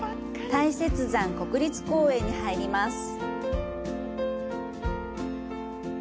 大雪山国立公園に入ります。